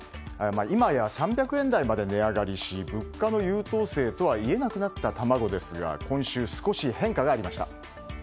いまや３００円台まで値上がりし、物価の優等生とはいえなくなった卵ですが今週、少し変化がありました。